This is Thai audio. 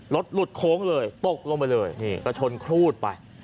รถหลุดโค้งเลยตกลงไปเลยนี่ก็ชนครูดไป